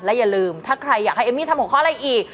อย่าลืมถ้าใครอยากให้เอมมี่ทำหัวข้ออะไรอีก